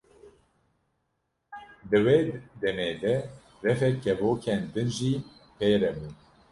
Di wê demê de refek kevokên din jî pê re bûn.